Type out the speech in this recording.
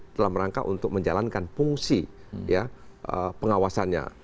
telah merangkak untuk menjalankan fungsi pengawasannya